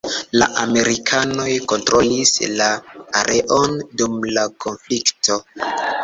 La amerikanoj kontrolis la areon dum la konflikto.